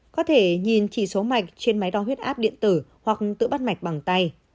có thể nhìn chỉ số mạch trên máy đo huyết áp điện tử hoặc tự bắt mạch bằng tay